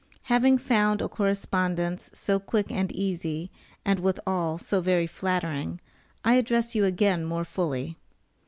Having found a correspondence so quick and easy, and withal so very flattering, I address you again more fully.